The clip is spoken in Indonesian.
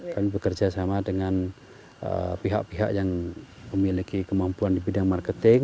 kami bekerja sama dengan pihak pihak yang memiliki kemampuan di bidang marketing